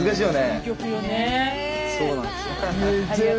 いい曲よね。